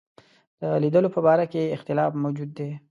د لیدلو په باره کې اختلاف موجود دی.